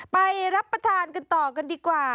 ไปรับประทานกันต่อกันดีกว่า